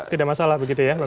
tidak masalah begitu ya